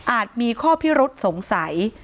มีข้อพิรุษสงสัย